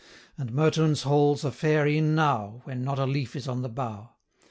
And Mertoun's halls are fair e'en now, 115 When not a leaf is on the bough.